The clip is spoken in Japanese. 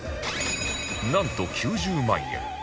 なんと９０万円